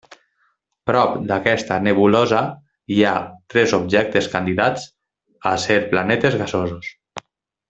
Prop d'aquesta nebulosa hi ha tres objectes candidats a ser planetes gasosos.